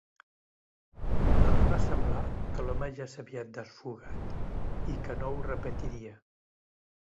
Els va semblar que l'home ja s'havia desfogat i que no ho repetiria.